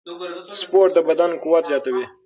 سپورت د بدن قوت زیاتوي.